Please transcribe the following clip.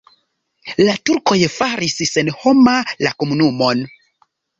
La turkoj faris senhoma la komunumon.